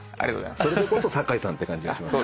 それでこそ阪井さんって感じがします。